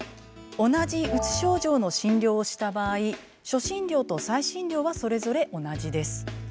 同じうつ症状の診療をした場合初診料と再診料はそれぞれ同じです。